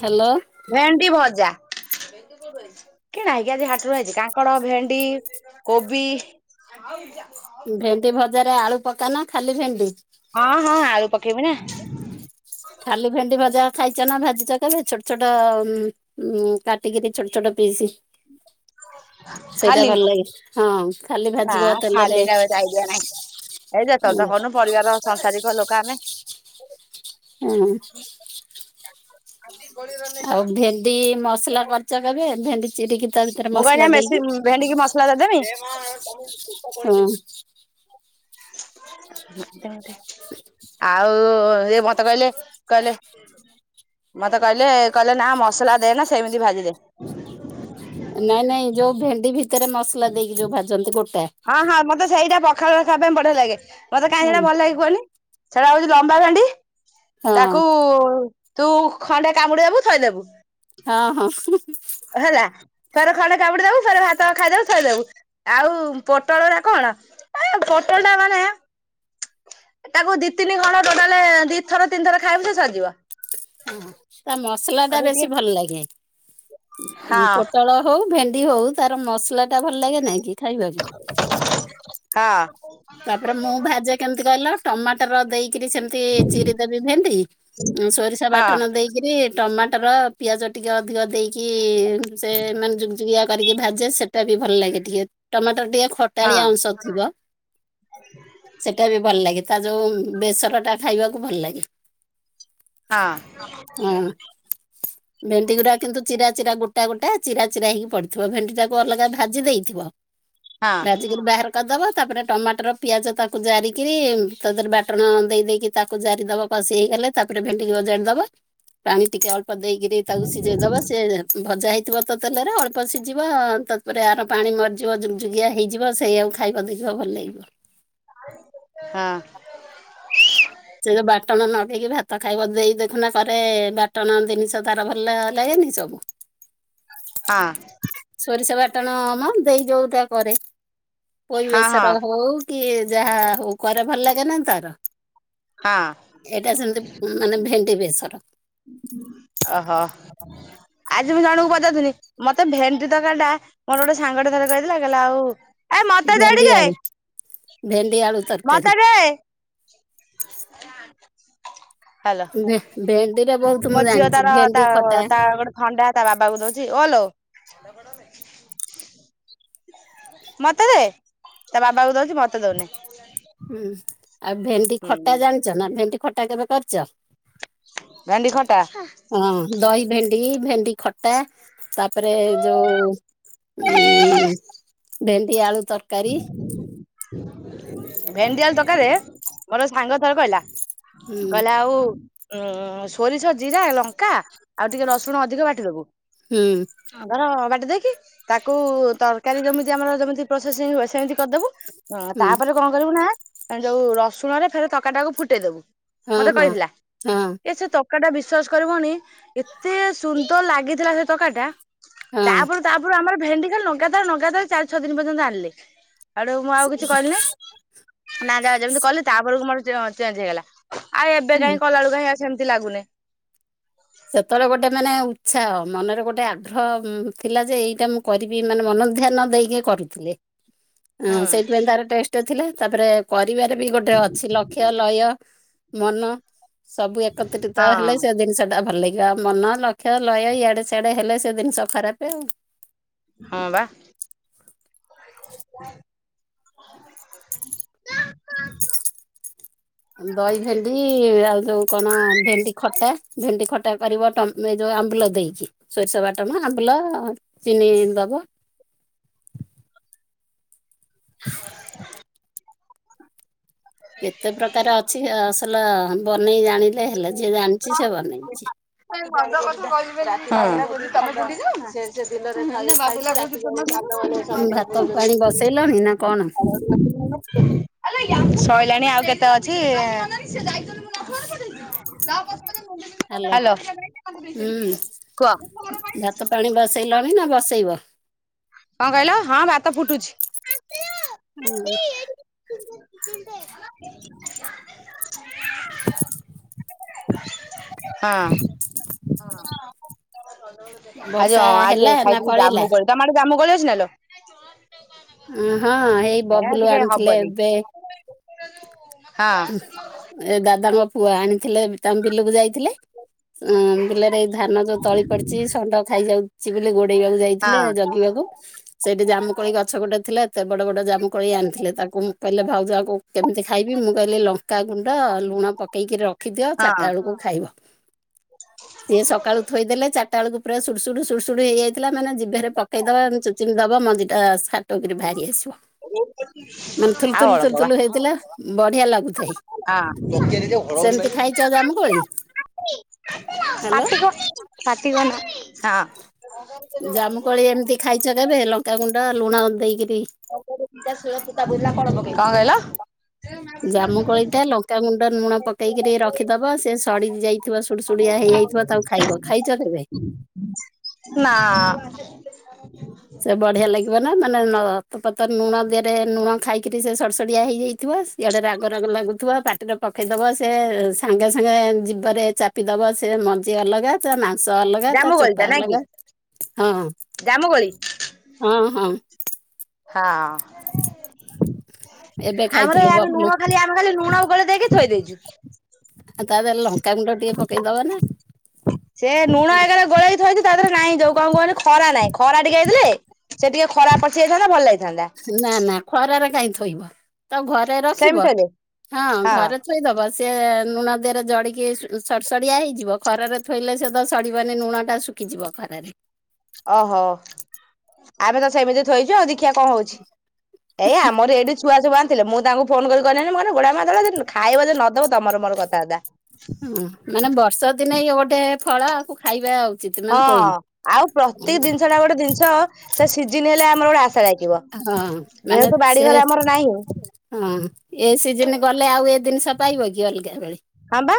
Hello ଭେଣ୍ଡି ଭଜା କିଣା ହେଇକି ଆଜି ହାଟରୁ ଆଇଚି କାଙ୍କଡ, ଭେଣ୍ଡି, କୋବି ଭେଣ୍ଡି ଭଜାରେ ଆଳୁ ପକା ନା ଖାଲି ଭେଣ୍ଡି? ହଁ ହଁ ଆଳୁ ପକେଇମି ନା। ଖାଲି ଭେଣ୍ଡି ଭଜା ଖାଇଚ ନା ଭାଜିଚ କେବେ ଛୋଟ ଛୋଟ ଉମ୍ ଉଁମ୍ କାଟିକିରି ଛୋଟ ଛୋଟ ପିଇସି। ସେଇଟା ଖାଲି ଭଲ ଲାଗେ ହଁ ଖାଲି ଭାଜିବ ତେଲରେ ଯାଇ ଦିଆ ନାହିଁ ଏଇ ଯେତୋଳେ ଉଁ ତ କନୁ ପରିବାର ସଂସାରିକ ଲୋକ ଆମେ ହୁଁ। ଆ ଆଉ ଭେଣ୍ଡି ମସଲା କରିଚ କେବେ ଭେଣ୍ଡି ଚିରିକି ତା ଭିତରେ ମୁଁ କହିନି ମସଲା ଏ ଦେଇକି ମେଶୀ ଭେଣ୍ଡିକିି ମସଲା ହଁ ଦେଇଦେମି ମୋ ଦେହଟି ସେ ଆଉ ଏ ମତେ କହିଲେ କହିଲେ ମତେ କହିଲେ କହିଲେ ନା ମସଲା ଦେଏନା ସେମିତି ଭାଜିଦେ। ନାଇଁ ନାଇଁ ଯୋଉ ଭେଣ୍ଡି ଭିତରେ ମସଲା ଦେଇକି ଯୋଉ ଭାଜନ୍ତି ଗୋଟା। ହଁ ହଁ ମତେ ସେଇଟା ପଖାଳରେ ଖାଇବା ପାଇଁ ବଢିଆ ଲାଗେ ମତେ କାଇଁ ସେଟା ହଁ ଭଲ ଲାଗେ କୁହନି। ସେଟା ହଉଛି ଲମ୍ବା ଭେଣ୍ଡି ହଁ ତାକୁ ତୁ ଖଣ୍ଡେ କାମୁଡିଦବୁ ଥୋଇଦବୁ। ହଁ ହଁ ହୁଁ। ହେଲା ଫେରେ ଖଣ୍ଡେ କାମୁଡି ଦବୁ ଫରେ ଭାତ ଖାଇଦବୁ ଥୋଇଦବୁ ଆଉ ପୋଟଳ ଗୁରା କଣ ପୋଟଳ ଟା ମାନେ ତାକୁ ଦି ତିନି ଖଣ୍ଡ ଟୋଟା ଲେ ଦିଥର ତିନିଥ ଖାଇବୁ ସେ ସରିଜିବ। ତା ମସଲା ଟା ବେଶୀ ଟିକେ ଭଲ ଲାଗେ ହଁ ପୋଟଳ ହଉ ଭେଣ୍ଡି ହଉ ତାର ମସଲା ଟା ଭଲ ଲାଗେ ନାଇଁ କି ଖାଇବାକୁ। ହଁ। ତାପରେ ମୁଁ ଭାଯେ କେମିତି କହିଲ ଟମାଟର ଦେଇକି। ସେମତି ଚିରି ଦେବି ଭେଣ୍ଡି ସୋରିଷା ହଁ ବାଟଣ ଦେଇକି। ରି ଟମାଟର ପିଆଜ ଟିକେ ଅଧିକ ଦେଇକି ସେ ମାନେ ଜୁଗଜୁଗିଆ କରିକି ଭାଜେ ସେଟା ବି ଭଲ ଲାଗେ ଟିକେ ଟମାଟର ଟିକେ ଖଟାଳିଆ ଅଂଶ ଥିବ। ଆଛା। ସେଇଟା ବି ଭଲ ଲାଗେ ତା ଯୋଉ ବେସର ଟା ଖାଇବାକୁ ଭଲ ଲାଗେ। ହଁ। ହୁଁ। ଭେଣ୍ଡି ଗୁଡା କିନ୍ତୁ ଚିରା ଚିରା ଗୋଟା ଗୋଟା ଚିରା ଚିରା ହେଇକି ପଡିଥିବ ଭେଣ୍ଡି ଟାକୁ ଅଲଗା ଭାଜି ଦେଇଥିବ। [inaudible] ହଁ। ଚିରିକି ବାହାର କରିଦବ ତାପରେ ଟମାଟର ପିଆଜ ତାକୁ ଜାରିକିରି ତା ଦେହରେ ବାଟଣ ଦେଇ ଦେଇକିରୀ ତାକୁ ଜାରିଦବ। କଶି ହେଇଗଲେ ତାପରେ ଭେଣ୍ଡିିକି ଓଜାଡିଦବ ପାଣି ଟିକେ ଅଳ୍ପ ଦେଇକିରି ତାକୁ ସିଝେଇ ଦବ ସିଏ ଭଜା ହେଇଥିବ ତ ତେଲରେ ଅଳ୍ପ ସିଝିବ ତାପରେ ଆର ପାଣି ମରିଯିବ ଜୁକଯୁକିଆ ହେଇଯିବ ସେଇଆକୁ ଖାଇବ ଦେଖିବ ଭଲ ଲାଗିବ। ହଁ। ସେ ଯୋଉ ବାଟଣ ନଗେଇକି ଭାତ ଖାଇବ ଦେଇ ଦେଖୁନା କରେ ବାଟଣ ଜିନିଷ ତାର ଭଲ ଲାଗେନି ସବୁ। [inaudible] ହଁ। ସୋରିଷ ବାଟଣମ ଦେଇ ଯୋଉ ଟା କରେ ପୋଇ ହଁ ହଁ ହଁ ବେଶର ହଉ କି ଯାହା ହଉ କରେ ଭଲ ଲାଗେନା ତାର। ହଁ। ଏଇଟା ସେମିତି ମାନେ ଭେଣ୍ଡି ବେଶର। ଓହୋ ଆଜି ମୁଁ ଜଣଙ୍କୁ ପଚାରୁଥିନି। ମତେ ଭେଣ୍ଡି ତରକାରି ଟା ମୋର ଗୋଟେ ସାଙ୍ଗ ଥରେ କହିଥିଲା କହିଲା ଆଉ ଏ ମତ ଦେ ଭେଣ୍ଡି ଟିକେ ଆଳୁ ଭେଣ୍ଡି ଆଳୁ ତରକାରୀ। ମତେ ଦେ ହ୍ୟାଲୋ। ଭେଣ୍ଡିରେ ବହୁତ ମୋ ମୁଁ ଝିଅ ଜାଣିଛି ତାର ତା ଭେଣ୍ଡି ଖଟା। ତା ଗୋଟେ ଥଣ୍ଡା ତା ବାବା କୁ ଦଉଛି ଓଲୋ। ମତେ ଦେ ତା ବାବା କୁ ଦଉଛି ମତେ ଦଉନି। ହୁଁ ଆଉ ଭେଣ୍ଡି ହୁଁ ଖଟା ଜାଣିଛ ନା ଭେଣ୍ଡି ଖଟା କେବେ କରିଛ। ଭେଣ୍ଡି ଖଟା। ହଁ ଦହି ଭେଣ୍ଡି ଭେଣ୍ଡି ଖଟା ତାପରେ ଯୋଉ ହୁଁ ଭେଣ୍ଡି ଆଳୁ ତରକାରୀ। ଭେଣ୍ଡିଆଳୁ ତରକାରୀରେ ମୋର ସାଙ୍ଗ ଥର କହିଲା ହୁଁ କହିଲା ଆଉ ଉଁ ସୋରିଷ ଜିରା ଲଙ୍କା ଆଉ ଟିକେ ରସୁଣ ଅଧିକ ବାଟିଦବୁ। ହୁଁ। ଧର ବାଟି ଦେଇକି ତାକୁ ତରକାରୀ ଯେମିତି ଆମର ଯେମିତି ପ [unintelligible] ସେମିତି କରିଦବୁ ଉଁ ହୁଁ ତାପରେ। କଣ କରିବୁ ନା ଯୋଉ ରସୁଣ ରେ ଫେରେ ତରକାରି ଟାକୁ ଫୁଟେଇଦବୁ। ହଁ ମତେ ହଁ କହିଥିଲା ହଁ ଏ ସେ ତ ତକା ଟା ବିଶ୍ଵାସ କରିବନି ଏତେ ସୁନ୍ଦର ଲାଗିଥିଲା ସେ ତରକାରି ଟା ହଁ। ତାପର ତାପରେ ଆମର ଭେଣ୍ଡି ଖାଲି ଲଗାାତାର ଲଗାାତାର ଚାରି ଛଅ ଦିନ ପର୍ଯ୍ୟନ୍ତ ଆଣିଲେ। ଆଉଠୁ ମୁଁ ଆଉ ସେ- କିଛି କହିଲିନି ସେ- ନା ଯା ଯେମିତି କଲି ତାପରକୁ ମୋର ଚ ଚେଞ୍ଜ ହେଇଗଲା। ଆଉ ଏବେ ହୁଁ। କାହିଁ କଲା ବୁଳୁକୁ ହେରା ସେମିତି ଲାଗୁନି। ସେତେବେଳେ ଗୋଟେ ମାନେ ଉତ୍ସାହ ମନରେ ଗୋଟେ ଆଗ୍ରହ ଥିଲା ଯେ ଏଇଟା ମୁଁ କରିବି ମାନେ ମନ ଧ୍ୟାନ ଦେଇକି କରୁଥିଲେ। ହଁ ହୁଁ ସେଇଥିପାଇଁ ତାର ଟେଷ୍ଟ ଥିଲା ତାପରେ କରିବାରେ ବି ଗୋଟେ ଅଛି ଲକ୍ ଲକ୍ଷ ଲୟ ମନ ସବୁ ଏକତ୍ରିତ ହଁ ହେଲେ ସେ ଜିନିଷ। ଭଲ ଲାଗିବ ଆଉ ମନ ଲକ୍ଷ୍ୟ ଲହ ଇଆଡେ ସିଆଡେ ହେଲେ ସେ ଜିନିଷ ଖରାପେ ଆଉ। ହଁ ବା। ହଁ ଦହି ଭେଣ୍ଡି ଆଉ ଯୋଉ କଣ ଭେଣ୍ଡି ଖଟା ଭେଣ୍ଡି ଖଟା କରିବ ଟମ୍ ଏ ଏ ଯଉ ଆମ୍ବୁଲ ଦେଇକି ସୋରିଷ ବାଟମା ଆମ୍ବୁଲ ଚିନି ଦେବ। [unintelligible] କେତେ ପ୍ରକାର ଅଛି ଅସଲ ବନେଇ ଜାଣିଲେ ହେଲେ ଯିଏ ଜାଣିଛି ସେ ବନେଇଛି। [inaudible] [inaudible] ଉଁ, ଭାତ ପାଣି ବସେଇଲଣି ନା କଣ ଶଇଲାଣି ଆଉ କେତେ ଅଛି। ହାଲୋ ହୁଁ କୁହ। ଭାତ ପାଣି ବସେଇଲଣି ନା ବସେଇବ। କଣ କହିଲ ହଁ ଭାତ ଫୁଟୁଛି। ହୁଁ। ପି ପିଧ [inaudible] ହଁ। ଆଜି ବର୍ଷା ହଁ ହେଲା ଆଜି ନା ଖାଇଥିଲି ପଳେଇଲା? ଜାମୁକୋଳି ତମ ଆଡେ ଜାମୁକୋଳି ଅଛି ନାଲ। ଉଁ ହଁ ହେଇ ହେରା ବବୁଲୁ ଟିକିଏ ଆଣିଥିଲେ ହବନି। ଏବେ ହଁ ଏ ଦାଦାଙ୍କ ପୁଅ ଆଣିଥିଲେ ତାଙ୍କ ବିଲକୁ ଯାଇଥିଲେ। ଅଁ ବିଲରେ ଏଇ ଧାନ ଯୋଉ ତଳି ପଡିଛି ଷଣ୍ଢ ଖାଇଯାଉଛି ବୋଲି ଗୋଡେଇବାକୁ ଯାଇଥିଲେ ହଁ ଜଗିବାକୁ। ହ [inaudible] ସେଇଠି ଜାମୁକୋଳି ଗଛ ଗୋଟେ ଥିଲା ଏତେ ବଡ଼ ବଡ଼ ଜାମୁକୋଳି ଆଣିଥିଲେ ତାକୁ ମୁଁ କହିଲେ ଭାଉଜା ୟାକୁ କେମିତି ଖାଇବି ମୁଁ କହିଲେ ଲଙ୍କାଗୁଣ୍ଡ ଲୁଣ ପକେଇକି ରଖିଦିଅ ହଁ ଚାରିଟା ବୁଳୁକୁ ଖାଇବ। ସିଏ ସକାଳୁ ଥୋଇଦେଲେ ଚାରିଟା ବେଳକୁ ପୁରା ସୁଡ଼ ସୁଡ଼ ସୁୁଡୁ ସୁଡୁ ହେଇଯାଇ ଥିଲା ମାନେ ଯିଭେରେ ପକେଇଦବା ଚୁଚିମି ଦବ ମୁଞ୍ଜିଟା ବାହାରି ଆସିବ ମାନେ ଆଉ ଥୁଲଥୁଲ ଅଳପ ଥୁଲୁ ବା ଥୁଲ ହେଇଥିଲା ବଢିଆ ଲାଗୁ ହଁ ସେମିତି ଖାଇଛ ଜାମୁକୋଳି? ହ୍ୟାଲୋ ପାଟିିକ ପଟିିକନ ହଁ [inaudible] କୁଳି ଏମିତି ଖାଇଛ କେବେ ଲଙ୍କାଗୁଣ୍ଡ ଲୁଣ ଦେଇକିରି। କଣ କହିଲ? ଜାମୁକୋଳି ଟା ଲଙ୍କାଗୁଣ୍ଡ ଲୁଣ ପକେଇକିରି ରଖିଦବ ସେ ସଡିି ଯାଇ ଥିବା ସୁୁଡୁ ସୁୁଡିଆ ହେଇଯାଇଥିବ ତାକୁ ଖାଇବ, ଖାଇଛ କେବେ? ନା। ସେ ବଢିଆ ଲାଗିବ ନା ମାନେ ନତ ପତ ଲୁଣ ଦେହରେ ଲୁଣ ଖାଇକିରି ସେ ସଡସଡିଆ ହେଇଯାଇଥିବ। ଇଆଡେ ରାଗ ରାଗ ଲାଗୁଥିବ ପାଟିରେ ପକେଇଦବ ସେ ସାଙ୍ଗେ ସାଙ୍ଗେ ଜିଭ ରେ ଚା ଚିପିଦବ ସେ ମଞ୍ଜି ଅଲଗା ତା ମାଂସ ଅଲଗା ତା ଜାମୁ ଚୋପା ଅଲଗା ହଁ। ଜାମୁକୋଳି। ହଁ ହଁ। ହଁ। ଏବେ ଆମର ଖାଇଥିଲୁ ଏଇ ଆମେ ବବୁଲୁ ଲୁଣ ଖାଲି ଆମେ ଖାଲି ଲୁଣ ଗଲେ ଦେଇକି ଥୋଇ ଦେଇଛୁ। ଆଉ ତା ଦେହଲେ ଲଙ୍କାଗୁଣ୍ଡ ଟିକେ ପକେଇଦବା ନା। ସେ ଲୁଣ ଏଗ ଗୋଳେଇି ଥଇଛି ତା ଦେହରେ ନାଇଁ ଯୋଉ କଣ କୁହନ ଖରା ନାଇଁ ଖରା ଟିକେ ହେଇଥିଲେ ସେ ଟିକେ ଖରାପ ପଶିଯାଇଥାନ୍ତା ଭଲ ହେଇଥାନ୍ତା। ନା ନା ଖରାରେ କାହିଁ ଥୋଇବ ତ ଘରେ ରଖିବ ସେମିତି ଥୋଇଲେ ହଁ ଘରେ ଥୋଇଦବ ସେ ଲୁଣ ଦେହରେ ଜଡିକି ସଡ ସଡିଆ ହେଇଯିବ ଖରାରେ ଥୋଇଲେ ସେ ତ ସଡିବନି ଲୁଣ ଟା। ଖି ଯିବ ଖରାରେ। ଓହୋ ଆମେ ତ ସେମିତି ଥୋଇଛୁ ଆଉ ଦେଖିବା କଣ ହଉଛି? ଏଇ ଆମର ଏଇଠି ଛୁଆ ସବୁ ଆଣିଥିଲେ ମୁଁ ତାଙ୍କୁ ଫୋନ କରି କହିଲାଣି ମାନେ ଗୋଡା ମା [unintelligible] ଦେ ଖାଇବ ଯଦି ନଦବ ତମର ମୋର କଥା ବାର୍ତା। ହୁଁ ମାନେ ବର୍ଷ ଦିନେ ଇ ଗୋଟେ ଫଳ ଆ ଖାଇବା ଉଚିତ ହଁ ମାନେ କୋଳି ଆଉ ପ୍ରତିକ ଜିନିଷ ଟା ଗୋଟେ ଜିନିଷ ସେ ସିଜିିନ ହେଲେ ଆମର ଗୋଟେ ଆଶା ଲାଗିବ। ହଁ ମାନେ ଯେହେତୁ ବାଡି ସେ ଘର ଆମର ନାହିଁ ହଁ ଏ ସିଜନ ଗଲେ ଆଉ ଏ ଜିନିଷ ପାଇବ କି ଅଲଗା ବେଳେ ହଁ ବା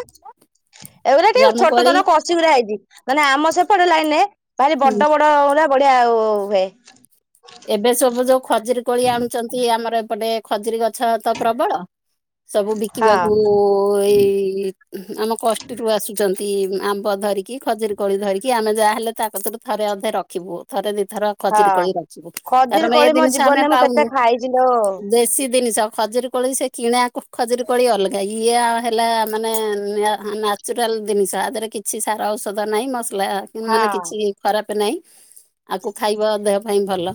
ଏଗୁଟା କି ଜାମୁ ଛୋଟ କୋଳି ଥର କଶୀଗୁଡା ହେଇଛି ମାନେ ଆମ ସେପଟେ ଲାଇନରେ ଭାରି ହୁଁ ବଡ ବଡ ବଢିଆ ହୁଏ ଏବେ ସବୁ ଯୋଉ ଖଜୁରୀ କୋଳି ଆଣୁଛନ୍ତି ଆମର ଏପଟେ ଖଜୁରୀ ଗଛ ତ ପ୍ରବଳ ସବୁ ହଁ ବିକିବାକୁ ଏଇ ଆମ କଷ୍ଟିରୁୁ ଆସୁଛନ୍ତି ଆମ୍ବ ଧରିକି ଖଜୁରୀ କୋଳି ଧରିକି ଆମେ ଯାହାହଲେ ତା କରୁ ଥରେ ଅନ୍ଧେ ରଖିବୁ ଥରେ ଦି ଥର ଖଜୁରୀ ହଁ କୋଳି ରଖିବୁ ଖଜୁରୀ କାରଣ ଏ କୋଳି ମୋ ଜିନିଷ ଆମେ ଜୀବନରେ ମୁଁ କେତେ ପାଉନୁ ଖାଇଛି ଲୋ ଦେ ସେ ଜିନିଷ ଖଜୁରୀ କୋଳି ସେ କିଣା ରୁ ଖଜୁରୀ କଳି ଅଲଗା ହେଇଛି। ଇଏ ହେଲା ମାନେ ନ୍ୟାଚୁରାଲ ଜିନିଷ ଆ ଦେହରେ କିଛି ସାର ଔଷଧ ନାହିଁ ମସଲା ମାନେ ହଁ। କିଛି ଖରାପ ନାହିଁ ଆକୁ ଖାଇବ ଦେହ ପାଇଁ ଭଲ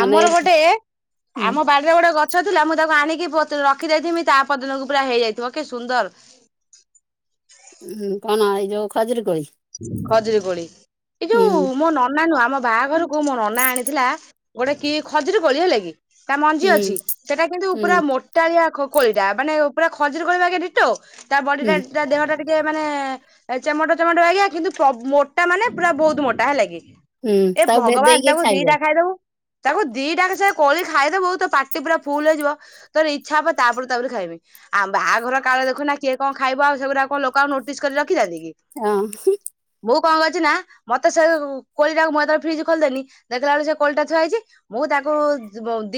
ମାନେ ଗୋଟେ ହୁଁ। ଆମ ବାଲ ଗୋଟେ ଗଛ ଥିଲା ମୁଁ ତାକୁ ଆଣିକି ରଖି ଦେଇଥିବି ତା ପରଦିନକୁ ପୁରା ହେଇଯାଇଥିବ କି ସୁନ୍ଦର ହୁଁ କଣ ଏଇ ଯୋଉ ଖଜୂରିକୋଳି? ଖଜୁରୀ କୋଳି ଏଇ ଯୋଉ ମୋ ନନା ନୁହଁ ଆମ ବାହାଘରକୁ କୁ ମୋ ନନା ଆଣିଥିଲା ଗୋଟେ କି ଖଜୁରୀ କୋଳି ହେଲା କି ତା ମଞ୍ଜି ହୁଁ ଅଛି ସେଟା କିନ୍ତୁ ହୁଁ ପୁରା ମୋ ମୋଟାଳିଆ କୋଳି ଟା ମାନେ ପୁରା ଖଜୁରି କୋଳି ଭଳିଆ ଡିଟୋ‌ ତା ବଡି ହୁଁ। ଟା ଦେହଟା ଟିକେ ମାନେ ଚେମଟା ଚେମଟା ଆଜ୍ଞା କିନ୍ତୁ ପ୍ର ମୋଟା ମାନେ ପୁରା ବହୁତ ମୋଟା ହେଲା କି ହୁଁ ଏ ତାକୁ ଭଗବାନ ଭେଦେଇକି ତାଙ୍କୁ ଖାଇବ ଦିଟା ଖାଇ ଦବୁ ତାକୁ ଦିଟାକ ସେ କୋଳି ଖାଇଦବୁ ତ ପାଟି ପୁରା ଫୁଲ ହେଇିଯିବ ତୋ ଇଚ୍ଛା ହବ ତାପରେ ତାପରେ ଖାଇବି। ଆଉ ବାହାଘର କାଳେ ଦେଖୁନା କିଏ କଣ ଖାଇବ ଆଉ ସେଗୁଡା କଣ ଲୋକ ଆଉ ନୋଟିସ୍ସ କରି ରଖିଥାନ୍ତି କି? [unintelligible] ମୁଁ କଣ କରିଛି ନା ମତେ ସେ କୋଳିଟାକୁ ମୁଁ ଏଥର ଫ୍ରିଜ ଖୋଲିଦେଲି ଦେଖିଲା ବେଳକୁ ସେ କଳିଟା ଥୁଆ ହେଇଛି। ମୁଁ ତାକୁ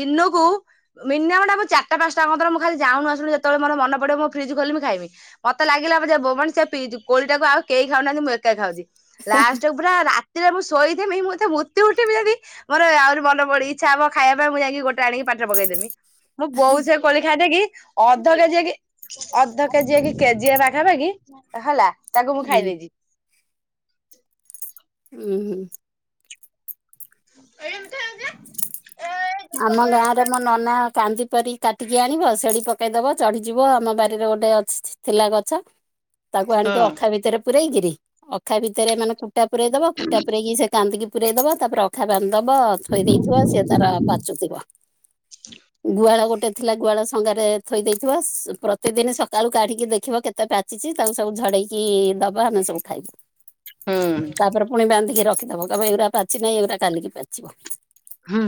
ଦିନକୁ ମିନିମମ୍ ଟା ଚାରଟା ପାଞ୍ଚଟାଙ୍କ ମ ମୁ ଖାଲି ଯାଉନୁ ମାସ ଯେତବେଳେ ମନ ପଡିବ ମୁଁ ଫ୍ରିଜ ରୁ ଖୋଲିଵି ଖାଇବି। ମତେ ଲାଗିଲା ବୋବ ସେ ପି କୋଳିଟାକୁ ଆଉ କେହି ଖାଉନାହାନ୍ତି ମୁଁ ଏକା ଖାଉଛି ଲାଷ୍ଟ ପୁରା ରାତିରେ ମୁଁ ଶୋଇଥୀମି ମୁଁତେ ମୁତ୍ତି ଉଠିବି ଯଦି ମୋର ଆହୁରିନ ବଡ ଇଚ୍ଛା ହବ ଖାଇ ପାଇଁ ମୁଁ ଯାଇକି ଗୋଟ ଆଣୀକି ପାଟୀରେ ପକେଇ ଦେବି ମୁଁ ବୋଉ ସେ କୋଳି ଖାଇଦେଇ କି ଅଧ କେଜିଏ କି ଅଧ କେଜିଏ କି କେଜିଏ ପାଖାପାଖି ହେଲା ତାକୁ ମୁଁ ହୁଁ ଖାଇଦେବି। [unintelligible] ଉୁଁ ହୁ। ଏମିତି ହେଇ ଯେ ଏ ଆମ ଗାଁ ରେ ମୋ ନନା କାନ୍ଦି ପାରିି କାଟିକି ଆଣିବ ସେଠି ପକାଇଦେବ ଚଢ଼ିଯିବ ଆମ ବାରିରେ ଗୋଟେ ଅଛି ଛି ଥିଲା ଗଛ। ତାକୁ ଆଣିକି ହୁଁ। ଅଖା ଭିତରେ ପୂରେଇକିରି ଅଖା ଭିତରେ ମାନେ କୁଟା ପୁରେଇ ଦବ କୁଟା ପୁରେଇକି ସେ କାନ୍ଦିକି ପୁରେଇ ଦବା ତାପରେ ଅଖା ବାନ୍ଧି ଦବ, ଥୋଇ ଦେଇଥିବ ସେ ତାର ପାଚୁଥିବ। ଗୁହାଳ ଗୋଟେ ଥିଲା ଗୁହାଳ ସଂଙ୍ଗାରେ ଥୋଇ ଦେଇଥିବ, ସସ ପ୍ରତିଦିନ ସକାଳୁ କାଢିକି ଦେଖିବ କେତେ ପା ଚିଛି ତାକୁ ସବୁ ଝଡେଇକି ଦବା ଆମେ ସବୁ ଖାଇବୁ। ହୁଁ ତାପରେ ପୁଣି ବାନ୍ଧିକି ରଖିଦବ କହିବ ଏଗୁଡା ପାଚଛି ନାହିଁ ଏଗୁଡା କାଲିକି ପାଚିବ। ହୁଁ।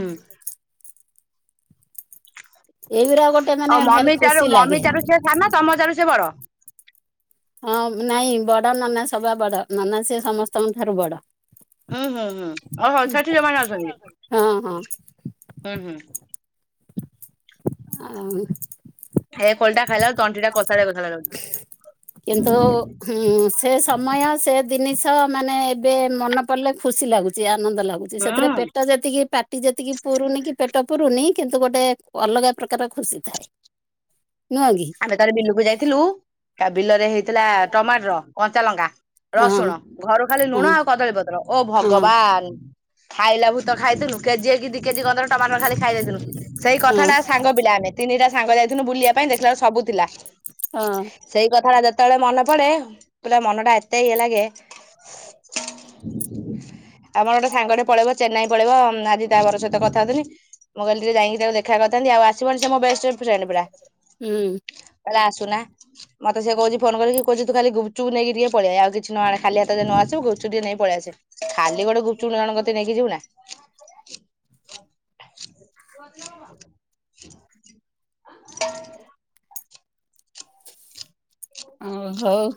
ଏଇଗୁରା ଗୋଟେ ମାନେ ଆଉ ଭାରି ମମି ଠାରୁ ଖୁସି ଲାଗେ। ମମି ଠାରୁ ସିଏ ସାନ ତମ ଚାରୁ ସେ ବଡ। ହଁ ଉମ ନାଇଁ ବଡ ନନା ସବା ବଡ ନନା ସିଏ ସମସ୍ତଙ୍କ ଠାରୁ ବଡ। ହୁଁ ହୁଁ ହୁଁ ଓହୋ ସେଠି ସେମାନେ ଅଛନ୍ତି। ହଁ ହଁ ହୁଁ ହୁଁ। ଆଉ। ହେ କୋଳି ଟା ଖାଇଲା ଳୁ ତଣ୍ଟି ଟା କଷା ଲାଗୁଥିଲା [unintelligible] କିନ୍ତୁ ହୁଁ ସେ ସମୟ ସେ ଜିନିଷ ମାନେ ଏବେ ମନେ ପଡ଼ିଲେ ଖୁସି ଲାଗୁଛି ଆନନ୍ଦ ଲାଗୁ ଛି। ସେଥିରେ ହୁଁ ପେଟ ଯେତିକି ପା ଟି ଯେତିକି ପୁରୁନି କି ପେଟ ପୁରୁନି କିନ୍ତୁ ଗୋଟେ ଅଲଗା ପ୍ରକାର ଖୁସି ଥାଏ। ନୁହଁ କି। ଆମେ କାଲି ବିଲକୁ ଯାଇଥିଲୁ। ତା ବିଲ ରେ ହେଇଥିଲା ଟମାଟର, କଞ୍ଚା ଲଙ୍କା ରସୁଣ ହଁ ଘରୁ ଖାଲି ଲୁଣ ହଁ ଆଉ କଦଳୀପତ୍ର ଓ ହଁ ଭଗବାନ। ଖାଇଲା ଭୂତ ଖାଇଥିଲୁ କେଯେ କି ଦି କେଜି ଗନ୍ଦର ଟମାଟର ଖାଲି ଖାଇ ଦେଇଥିଲୁ। ସେଇ କଥା ହଁ ଟା ସାଙ୍ଗ ପିଲା ଆମେ ତିନିଟା ସାଙ୍ଗ ଯାଇଥିଲୁ ବୁଲିବା ପାଇଁ ଦେଖିଲା ବେଳେ ସବୁ ଥିଲା। ହଁ। ସେଇ କଥା ଟା ଯେତେବେଳେ ମନେ ପଡେ ପୁରା ମନ ଟା ଏତେ ଇଏ ଲାଗେ। ଆମର ଗୋଟେ ସାଙ୍ଗଟେ ପଳେଇବ ଚେନ୍ନାଇ ପଳେଇବ ଉମ ଆଜି ତାଙ୍କର ସହିତ କଥା ହଉଥିଲି। ମୁଁ ଗଲିରେ ଯାଇକି ତାକୁ ଦେଖା କରିଥାନ୍ତି ଆଉ ଆସିବନି ସେ ମୋ ବେଷ୍ଟ ଫ୍ରେଣ୍ଡ ପୁରା। ହୁଁ ହୁଁ। କହିଲା ଆସୁନା। ମତେ ସେ କହୁଛି ଫୋନ କରିକି କହୁଛି ତୁ ଖାଲି ଗୁପଚୁପ ନେଇକି ଟିକେ ପଳେଇ ଆ ଆଉ କିଛି ନଆଣି ଖାଲି ହାତରେ ନଆ ଆସିବୁ ଗୁପଚୁପ୍ ଟିକେ ନେଇ ପଳେଇଆସେ। ଖାଲି ଗୋଟେ ଗୁପଚୁପ ଜଣକତ ନେଇକି ଯିବୁ ନା। ତଛ ଓ ହଉ।